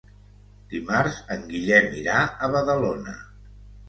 Dimarts en Guillem irà a Badalona.